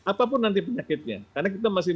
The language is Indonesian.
apapun nanti penyakitnya karena kita masih